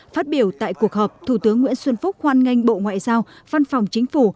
phát biểu tại cuộc họp thủ tướng nguyễn xuân phúc hoan nghênh bộ ngoại giao văn phòng chính phủ